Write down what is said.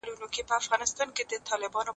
نو زده کوونکي یې اخلي.